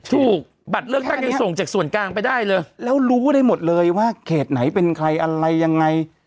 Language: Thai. บัตรเลือกตั้งนี้ส่งจากส่วนกลางไปได้เลยแล้วรู้ได้หมดเลยว่าเขตไหนเป็นใครอะไรยังไง